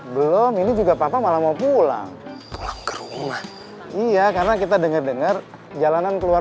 belum ini juga papa malah mau pulang pulang ke rumah iya karena kita denger dengar jalanan keluar